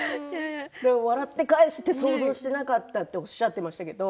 でも笑って返すって想像してなかったとおっしゃってましたけれども。